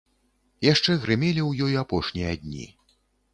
Яшчэ грымелі ў ёй апошнія дні.